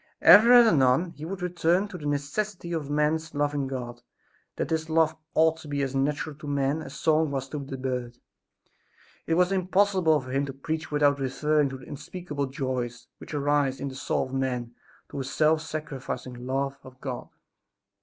Ever and anon he would return to the necessity of man's loving God; that this love ought to be as natural to men as song was to the bird. It was impossible for him to preach without referring to the unspeakable joys which arise in the soul of man through a self sacrificing love of God.